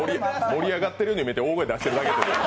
盛り上がってるように見えて大声出してるだけ。